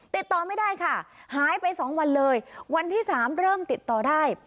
ติดต่อไม่ได้ค่ะหายไปสองวันเลยวันที่สามเริ่มติดต่อได้